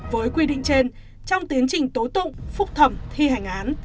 với quy định trên trong tiến trình tố tụng phúc thẩm thi hành án